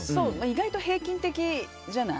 意外と平均的じゃない。